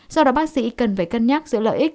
do đó bác sĩ cần phải cân nhắc giữa lợi ích